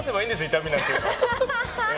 痛みなんて。